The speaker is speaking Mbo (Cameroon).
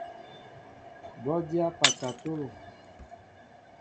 Bɔ dyá pakatolo.